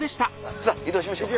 さぁ移動しましょうか。